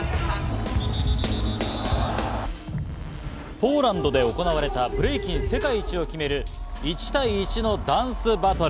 ポーランドで行われたブレイキン世界一を決める１対１のダンスバトル。